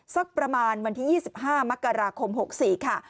สักประมาณวันที่๒๕มกราคม๖๔ค่ะ